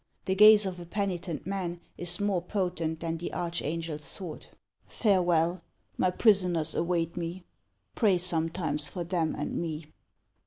The gaze of a penitent man is more potent than the arch angel's sword. Farewell ! My prisoners await me. Pray sometimes for them and me."